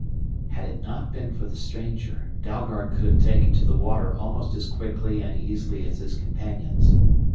Had it not been for the stranger, Dalgard could have taken to the water almost as quickly and easily as his companions.